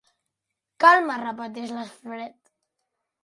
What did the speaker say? Calma! —repeteix l'Alfred.